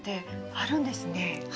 あるんです。